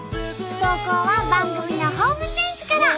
投稿は番組のホームページから。